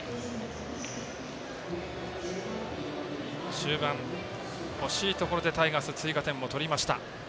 中盤、欲しいところでタイガース、追加点を取りました。